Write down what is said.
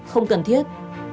không cần thiết